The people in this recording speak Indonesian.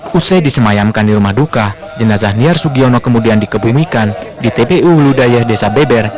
setelah disemayamkan di rumah duka jenazah niar sugiono kemudian dikebumikan di tpu huludayah desa beber